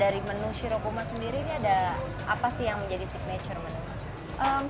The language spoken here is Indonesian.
dari menu shirokuma sendiri ini ada apa sih yang menjadi signature menu